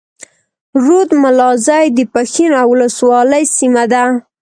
رود ملازۍ د پښين اولسوالۍ سيمه ده.